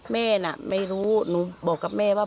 แม่น่ะไม่รู้หนูบอกกับแม่ว่า